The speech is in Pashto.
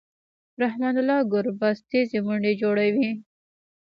رحمن الله ګربز تېزې منډې جوړوي.